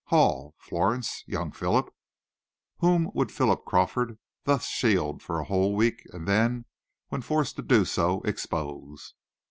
Hall? Florence? Young Philip? Whom would Philip Crawford thus shield for a whole week, and then, when forced to do so, expose?